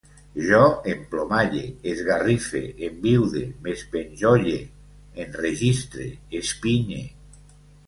Jo emplomalle, esgarrife, enviude, m'espenjolle, enregistre, espinye